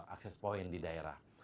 akses point di daerah